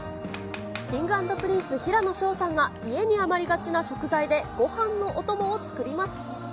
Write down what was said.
Ｋｉｎｇ＆Ｐｒｉｎｃｅ・平野紫耀さんが家に余りがちな食材でごはんのお供を作ります。